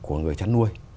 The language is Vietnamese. của người chăn nuôi